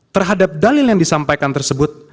terhadap dalil yang disampaikan tersebut